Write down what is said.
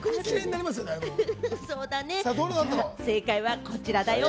正解はこちらだよ。